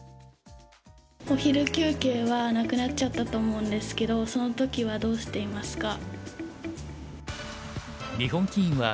お昼休憩はなくなっちゃったと思うんですけどその時はどうしていますか？